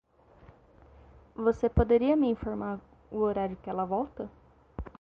Você poderia me informar o horário que ela volta?